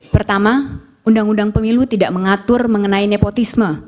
pertama undang undang pemilu tidak mengatur mengenai nepotisme